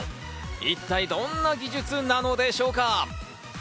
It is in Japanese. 一体どんな技術なのでしょうか。